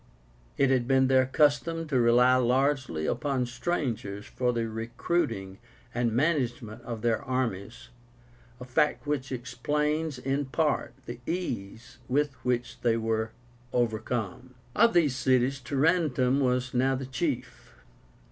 It had been their custom to rely largely upon strangers for the recruiting and management of their armies, a fact which explains in part the ease with which they were overcome. Of these cities TARENTUM was now the chief.